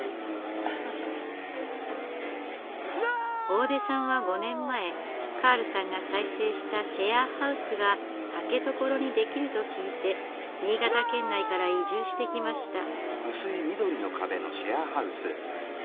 大出さんは５年前カールさんが再生したシェアハウスが竹所にできると聞いて新潟県内から移住してきました。